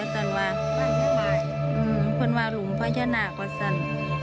คุณว่าหลุมพญานหน้ากว่ะซัน